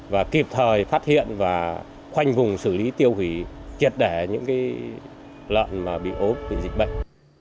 và kịp thời phát hiện và khoanh vùng xử lý tiêu hủy triệt đẻ những lợn bị ốm bị dịch bệnh